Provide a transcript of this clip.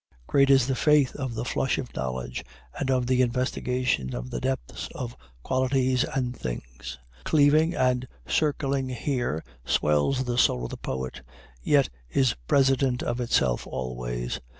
Great is the faith of the flush of knowledge, and of the investigation of the depths of qualities and things. Cleaving and circling here swells the soul of the poet, yet is president of itself always.